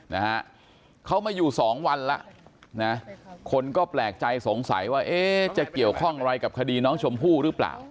นะฮะเขามาอยู่สองวันแล้วนะคนก็แปลกใจสงสัยว่าเอ๊ะจะเกี่ยวข้องอะไรกับคดีน้องชมพู่หรือเปล่า